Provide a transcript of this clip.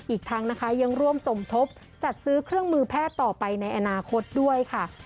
อีกทั้งนะคะยังร่วมสมทบจัดซื้อเครื่องมือแพทย์ต่อไปในอนาคตด้วยค่ะ